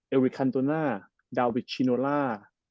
เอลวิคันตูน่าดาวิชชินูล่า